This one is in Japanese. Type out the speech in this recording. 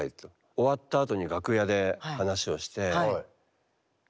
終わった後に楽屋で話をして。